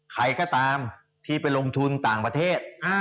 ใครก็ตามที่ไปลงทุนต่างประเทศ